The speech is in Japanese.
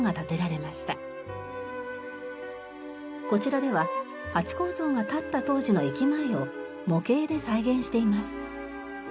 こちらではハチ公像が建った当時の駅前を模型で再現しています。